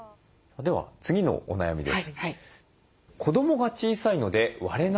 では次のお悩みです。